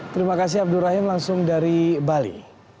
terima kasih abdurrahim langsung dari bali